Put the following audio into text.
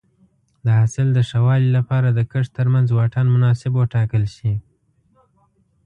د حاصل د ښه والي لپاره د کښت ترمنځ واټن مناسب وټاکل شي.